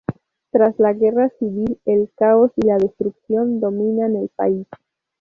Tras la Guerra Civil, el caos y la destrucción dominan el país.